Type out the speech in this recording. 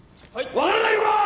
分からないのか！